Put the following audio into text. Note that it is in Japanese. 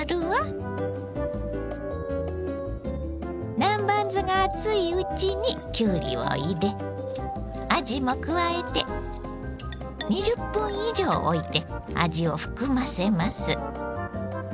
南蛮酢が熱いうちにきゅうりを入れあじも加えて２０分以上おいて味を含ませます。